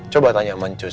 coba tanya sama njus